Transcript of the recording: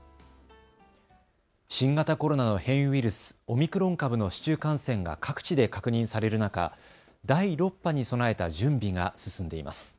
新型コロナの変異ウイルス、オミクロン株の市中感染が各地で確認される中、第６波に備えた準備が進んでいます。